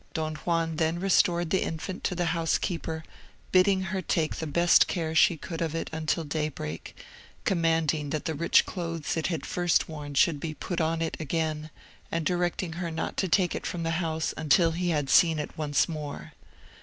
Don Juan then restored the infant to the housekeeper, bidding her take the best care she could of it until daybreak, commanding that the rich clothes it had first worn should be put on it again, and directing her not to take it from the house until he had seen it once more.